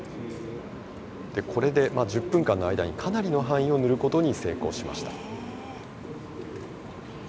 これで１０分間の間にかなりの範囲を塗ることに成功しました。